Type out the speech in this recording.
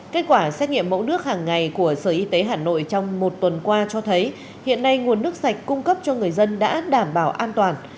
kết quả xét nghiệm mẫu nước hàng ngày của sở y tế hà nội trong một tuần qua cho thấy hiện nay nguồn nước sạch cung cấp cho người dân đã đảm bảo an toàn